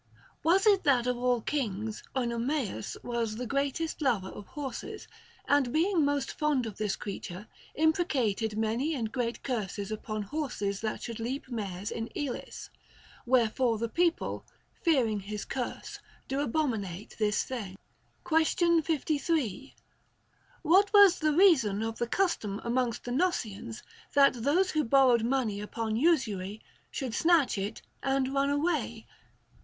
Was it that of all kings Oenomaus was the greatest lover of horses, and being most fond of this creature, imprecated many and great curses upon horses that should leap mares in Elis ; wherefore the people, fearing his curse, do abominate this thing? Question 53. What was the reason of the custom amongst the Gnossians, that those who borrowed money upon usury should snatch it and run away